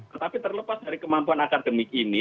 tetapi terlepas dari kemampuan akademik ini